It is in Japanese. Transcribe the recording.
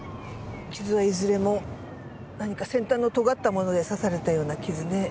傷はいずれも何か先端の尖ったもので刺されたような傷ね。